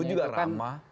ini juga ramah